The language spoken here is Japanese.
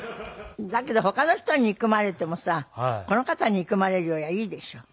だけど他の人憎まれてもさこの方が憎まれるよりはいいでしょう。